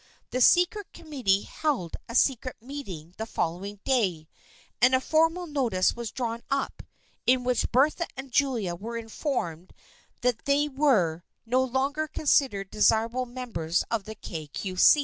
The secret committee held a secret meeting the following day and a formal notice was drawn up, in which Bertha and Julia were informed that they were 256 THE FRIENDSHIP OF ANNE no longer considered desirable members of the Kay Cue See.